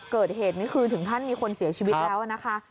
เกิดเหตุนี่คือถึงขั้นมีคนเสียชีวิตแล้วนะคะ